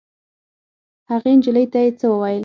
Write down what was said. هغې نجلۍ ته یې څه وویل.